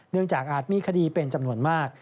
จากอาจมีคดีเป็นจำนวนมาก